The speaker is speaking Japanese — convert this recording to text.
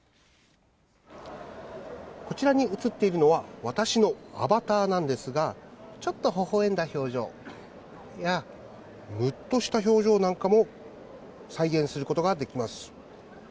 こちらに映っているのは、私のアバターなんですが、ちょっとほほえんだ表情や、むっとした表情なんかも再現することができます。